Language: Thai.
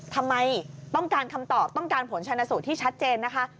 ทำไมต้องการคำตอบต้องการผลชนสูตรที่ชัดเจนนะคะ